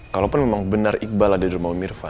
kalaupun memang benar iqbal ada di rumah om irfan